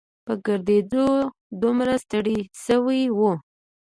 په ګرځېدو دومره ستړي شوي وو.